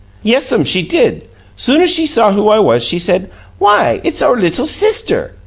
"Yes'm, she did. Soon as she saw who I was, she said, 'Why, it's our little sister!'